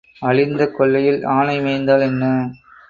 அழிந்த கொல்லையில் ஆனை மேய்ந்தால் என்ன?